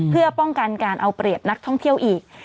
เพื่อป้องกันการเอาเปรียบนักท่องเที่ยวอีก